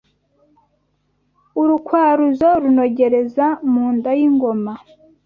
Urukwaruzo Runogereza mu nda y’ingoma